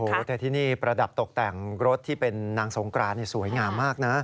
โอ้โหแต่ที่นี่ประดับตกแต่งรถที่เป็นนางสงกรานสวยงามมากนะ